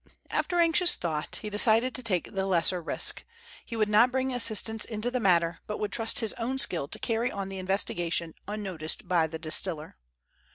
After anxious thought he decided to take the lesser risk. He would not bring assistants into the matter, but would trust to his own skill to carry on the investigation unnoticed by the distiller.